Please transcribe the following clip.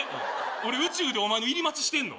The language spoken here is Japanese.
俺宇宙でお前の入り待ちしてんの？